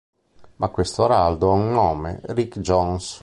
Ma questo Araldo ha un nome: Rick Jones.